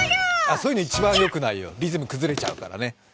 そういうの一番よくないよ、リズム崩れちゃうからね。